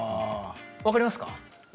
分かりますか？